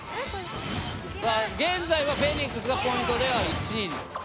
さあ現在はフェニックスがポイントでは１位。